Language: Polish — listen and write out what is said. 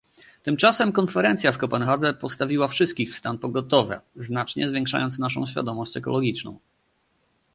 Tymczasem konferencja w Kopenhadze postawiła wszystkich w stan pogotowia, znacznie zwiększając naszą świadomość ekologiczną